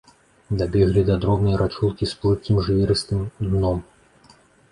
Дабеглі да дробнай рачулкі з плыткім жвірыстым дном.